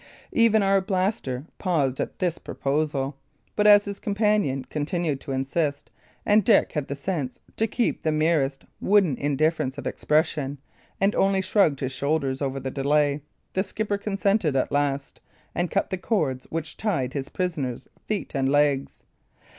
Even Arblaster paused at this proposal; but as his companion continued to insist, and Dick had the sense to keep the merest wooden indifference of expression, and only shrugged his shoulders over the delay, the skipper consented at last, and cut the cords which tied his prisoner's feet and legs.